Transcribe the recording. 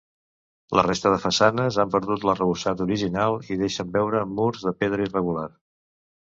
La resta de façanes han perdut l'arrebossat original i deixen veure murs de pedra irregular.